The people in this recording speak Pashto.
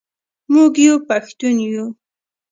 موږ یو پښتون یو.